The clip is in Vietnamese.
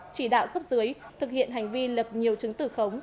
chỉ đạo cấp dưới thực hiện hành vi lập nhiều chứng tử khống